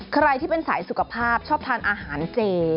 ใครที่เป็นสายสุขภาพชอบทานอาหารเจ